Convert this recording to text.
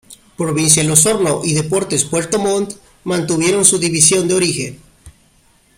Provincial Osorno y Deportes Puerto Montt mantuvieron su división de origen.